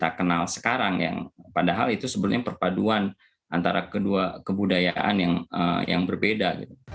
kita kenal sekarang ya padahal itu sebenarnya perpaduan antara kedua kebudayaan yang berbeda